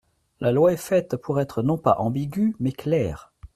La loi est faite pour être non pas ambiguë, mais claire.